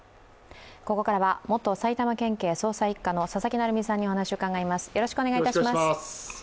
ここからは元埼玉県警捜査一課の佐々木成三さんにお話を伺います。